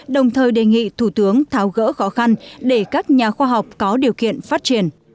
đồng thời đề nghị thủ tướng tháo gỡ khó khăn để các nhà khoa học có điều kiện phát triển